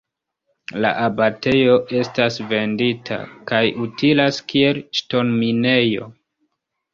La abatejo estas vendita kaj utilas kiel ŝtonminejo.